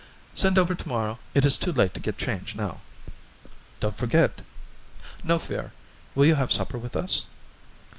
"Send over to morrow; it is too late to get change now." "Don't forget." "No fear. Will you have supper with us?"